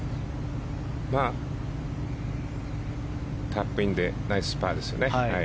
タップインでナイスパーですよね。